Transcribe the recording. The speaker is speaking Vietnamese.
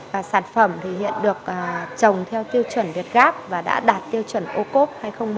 và sản phẩm thì hiện được trồng theo tiêu chuẩn việt gap và đã đạt tiêu chuẩn ô cốt